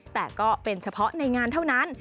แต่ก็เป็นเฉพาะในงานเท่านั้น